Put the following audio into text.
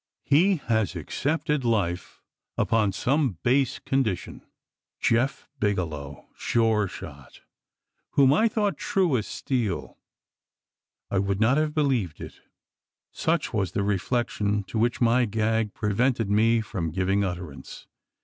he has accepted life upon some base condition. Jeph Bigelow! Sure shot! whom I thought true as steel! I would not have believed it." Such was the reflection, to which my gag prevented me from giving utterance.